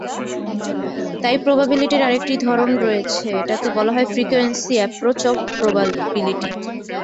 তাই প্রবাবিলিটির আরেকটি ধরন রয়েছে এটাকে বলা হয় ফ্রিকোয়েন্সি এপ্রোচ অব প্রবাবিলিটি।